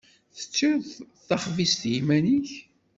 Teččiḍ taxbizt iman-ik.